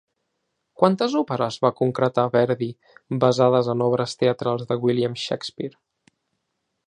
Quantes òperes va concretar Verdi basades en obres teatrals de William Shakespeare?